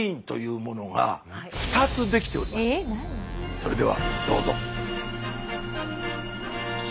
それではどうぞ。